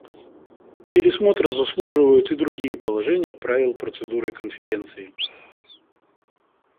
Пересмотра заслуживают и другие положения правил процедуры Конференции.